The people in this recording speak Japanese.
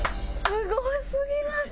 すごすぎます！